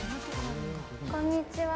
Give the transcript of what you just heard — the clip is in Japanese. こんにちは。